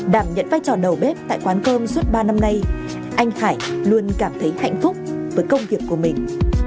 đảm nhận vai trò đầu bếp tại quán cơm suốt ba năm nay anh khải luôn cảm thấy hạnh phúc với công việc của mình